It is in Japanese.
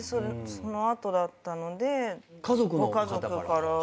その後だったのでご家族から。